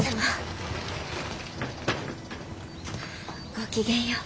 ごきげんよう。